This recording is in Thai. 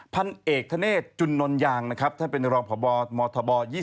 พันเอกทะเนศจุลนลยางท่านเป็นรองพอบอร์มธ๒๙